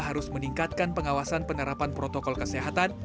harus meningkatkan pengawasan penerapan protokol kesehatan